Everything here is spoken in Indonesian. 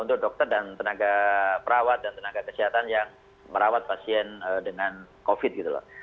untuk dokter dan tenaga perawat dan tenaga kesehatan yang merawat pasien dengan covid gitu loh